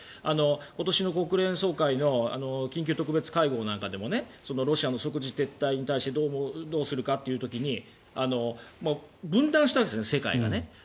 今年の国連総会の緊急特別会合なんかでもロシアの即時撤退に対してどうするかっていう時に分断したんですね、世界が。